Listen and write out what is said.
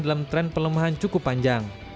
dalam tren pelemahan cukup panjang